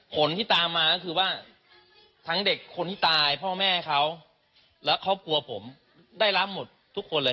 ผลที่ตามมาก็คือว่าทั้งเด็กคนที่ตายพ่อแม่เขาและครอบครัวผมได้รับหมดทุกคนเลย